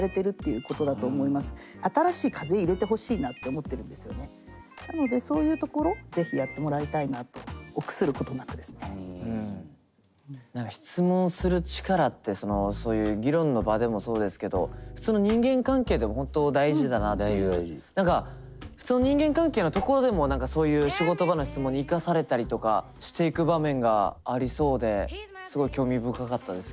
やっぱりなのでそういうところ是非やってもらいたいなと何か質問する力ってそういう議論の場でもそうですけど普通の何か普通の人間関係のところでも何かそういう仕事場の質問に生かされたりとかしていく場面がありそうですごい興味深かったです